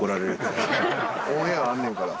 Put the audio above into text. オンエアあんねんから。